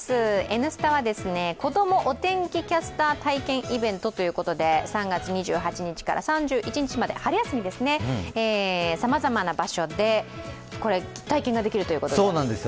「Ｎスタ」は子どもお天気キャスター体験イベントということで３月２８日から３１日まで、春休みですね、さまざまな場所で体験ができるということです。